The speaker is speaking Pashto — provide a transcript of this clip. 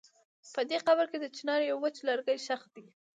په دې قبر کې د چنار يو وچ لرګی ښخ و.